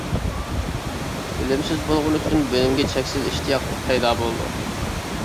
بىلىمسىز بولغىنى ئۈچۈن، بىلىمگە چەكسىز ئىشتىياق پەيدا بولىدۇ.